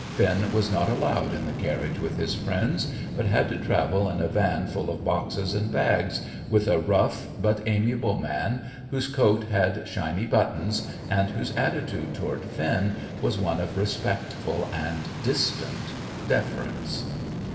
Finn was not allowed in the carriage with his friends, but had to travel in a van full of boxes and bags, with a rough but amiable man whose coat had shiny buttons, and whose attitude toward Finn was one of respectful and distant deference.